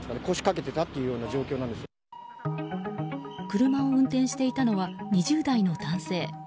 車を運転していたのは２０代の男性。